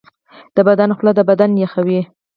د بدن خوله بدن یخوي